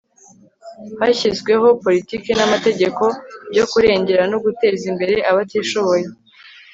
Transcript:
hashyizweho politiki n'amategeko byo kurengera no guteza imbere abatishoboye